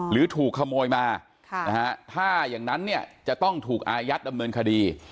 หรือถูกขโมยมาถ้าอย่างนั้นเนี่ยจะต้องถูกอายัดดำเนินคดี